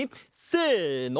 せの！